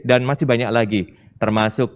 dan masih banyak lagi termasuk